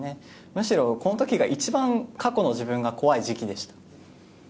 むしろ、この時が一番過去の自分が怖い時期でした。